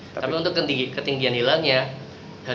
tapi untuk ketinggian hilalnya